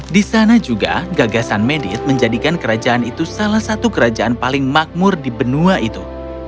di sana juga gagasan medit menjadikan kerajaan itu salah satu kerajaan paling makmur di benua itu